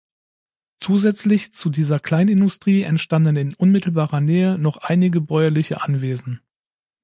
Zusätzlich zu dieser Kleinindustrie entstanden in unmittelbarer Nähe noch einige bäuerliche Anwesen.